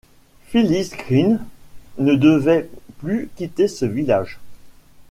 Phyllis Green ne devait plus quitter ce village.